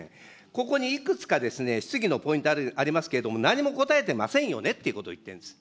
ここにいくつか質疑のポイントありますけれども、何も答えてませんよねっていうことを言っているんです。